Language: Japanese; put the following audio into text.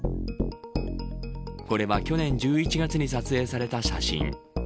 これは去年１１月に撮影された写真。